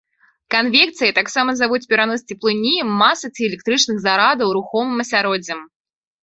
Канвекцыяй таксама завуць перанос цеплыні, масы ці электрычных зарадаў рухомым асяроддзем.